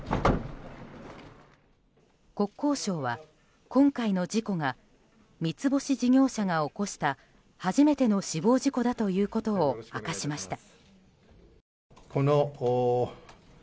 国交省は今回の事故が三ツ星事業者が起こした初めての死亡事故だということを明かしました。